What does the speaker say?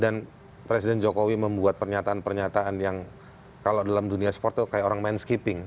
dan presiden jokowi membuat pernyataan pernyataan yang kalau dalam dunia sport tuh kayak orang main skipping